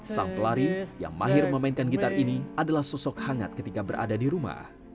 sang pelari yang mahir memainkan gitar ini adalah sosok hangat ketika berada di rumah